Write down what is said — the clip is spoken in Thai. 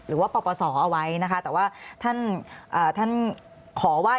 หรือว่าประสอบเอาไว้นะคะแต่ว่าท่านขอว่า